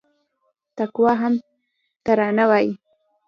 تقوا هم ترانه وايي